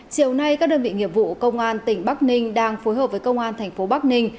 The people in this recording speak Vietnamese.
chiều nay các đơn vị nghiệp vụ công an tỉnh bắc ninh đang phối hợp với công an thành phố bắc ninh